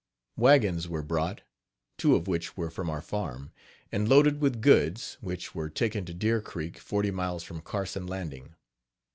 Wagons were brought, two of which were from our farm, and loaded with goods, which were taken to Deer Creek, forty miles from Carson Landing.